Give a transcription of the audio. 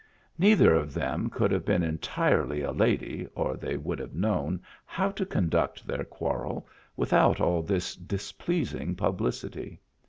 Neither of them could have been entirely a lady or they would have known how to conduct their quarrel without all this displeasing publicity.